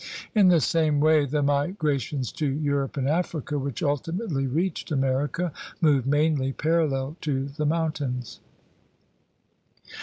In the same way the migra tions to Europe and Africa which ultimately reached America moved mainly parallel to the mountains.